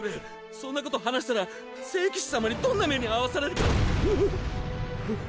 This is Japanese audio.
そんなこと話したら聖騎士様にどんな目に遭わされるかひっ！